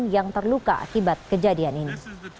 yang terluka akibat kejadian ini